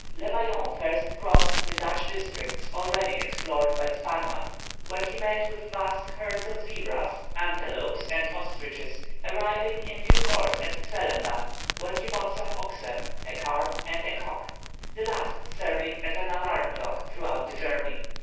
Le Vaillant first crossed the Dutch districts already explored by Sparrman, where he met with vast herds of zebras, antelopes, and ostriches, arriving in due course at Zwellendam, where he bought some oxen, a cart, and a cock the last serving as an alarm clock throughout the journey.